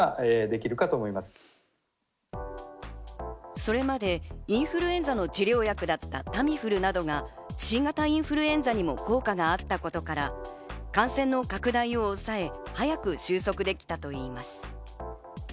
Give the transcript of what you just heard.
それまでインフルエンザの治療薬だったタミフルなどが新型インフルエンザにも効果があったことから、感染の拡大を抑え、早く収束できたといいます。